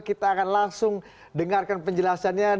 kita akan langsung dengarkan penjelasannya